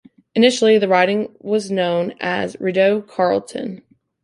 Initially, the riding was known as Rideau-Carleton.